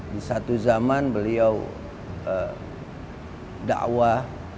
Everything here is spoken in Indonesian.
di satu zaman beliau dakwah